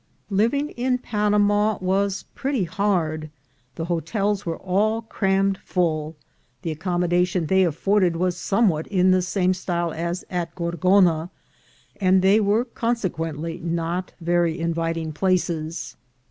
Living in Panama was pretty hard. The hotels were all crammed full; the accommodation they afforded was somewhat in the same style as at Gor gona, and they were consequently not very inviting places.